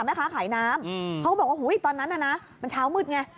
แม่ค้าขายน้ำเขาก็บอกว่าตอนนั้นน่ะนะมันเช้ามืดไง